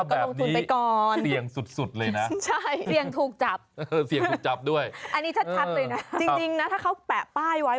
ถ้าใครไปฝ่าฝืนเนี่ยมีโทษปรับนะจุดละ๕๐๐บาท